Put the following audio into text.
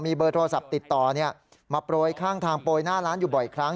เบอร์โทรศัพท์ติดต่อมาโปรยข้างทางโปรยหน้าร้านอยู่บ่อยครั้ง